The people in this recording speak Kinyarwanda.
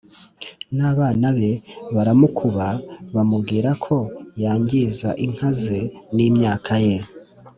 n'abana be baramukuba, bamubwira ko yangiza inka ze n' imyaka ye,